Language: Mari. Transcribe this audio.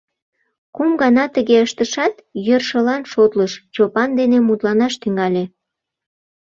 Кум гана тыге ыштышат, йӧршылан шотлыш, Чопан дене мутланаш тӱҥале.